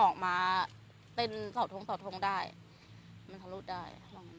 ออกมาเป็นเสาทงเสาทงได้มันทะลุได้